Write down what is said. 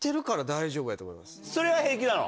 それは平気なの？